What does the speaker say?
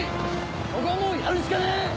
ここはもうやるしかねえ！